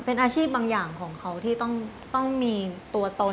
เป็นอาชีพบางอย่างของเขาที่ต้องมีตัวตน